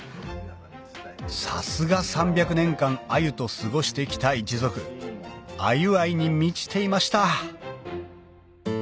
さすが３００年間鮎と過ごしてきた一族鮎愛に満ちていました